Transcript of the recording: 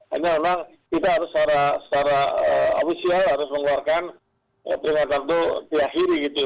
hanya memang kita harus secara ofisial harus mengeluarkan peringatan itu diakhiri gitu